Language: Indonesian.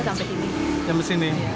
jam lima sampai sini